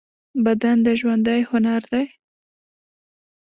بدن د ژوندۍ هنر دی.